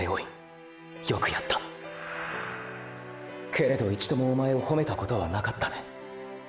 けれど一度もおまえを褒めたことはなかったね。